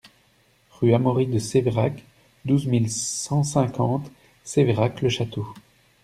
Rue Amaury de Séverac, douze mille cent cinquante Sévérac-le-Château